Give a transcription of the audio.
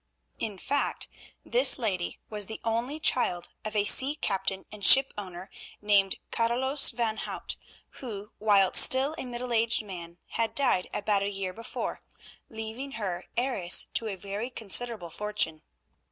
In fact, this lady was the only child of a sea captain and shipowner named Carolus van Hout, who, whilst still a middle aged man, had died about a year before, leaving her heiress to a very considerable fortune.